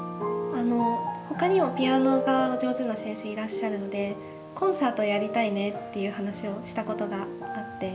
ほかにもピアノが上手な先生いらっしゃるので「コンサートやりたいね」っていう話をしたことがあって。